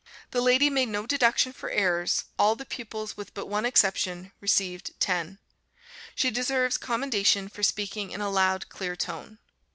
The lady made no deduction for errors; all the pupils with but one exception received 10. She deserves commendation for speaking in a loud, clear tone.